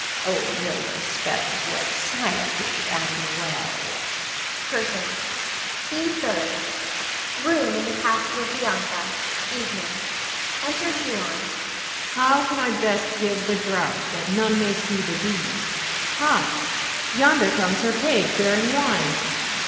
old Hilda's spells work silently and well. CURTAIN. SCENE THIRD. [Room in the castle of Bianca. Evening. Enter Huon.] Huon. How can I best give the draught that none may see the deed? Ha! yonder comes her page, bearing wine.